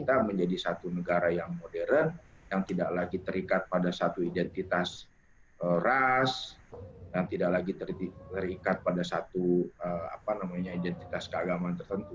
kita menjadi satu negara yang modern yang tidak lagi terikat pada satu identitas ras dan tidak lagi terikat pada satu identitas keagamaan tertentu